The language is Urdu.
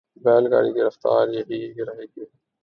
بیل گاڑی کی رفتار یہی رہے گی۔